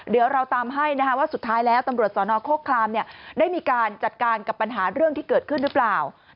เดี๋ยวเราตามให้ว่าสุดท้ายแล้วตำรวจสนโครคลามได้มีการจัดการกับปัญหาเรื่องที่เกิดขึ้นหรือเปล่า